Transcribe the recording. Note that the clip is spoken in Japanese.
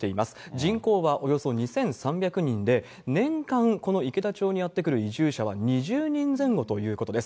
人口はおよそ２３００人で、年間、この池田町にやって来る移住者は２０人前後ということです。